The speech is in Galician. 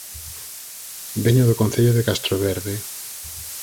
Veño do Concello de Castroverde